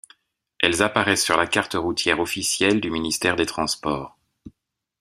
Elles apparaissent sur la carte routière officielle du Ministère des Transports.